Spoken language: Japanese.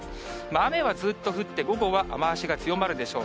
雨はずっと降って、午後は雨足が強まるでしょう。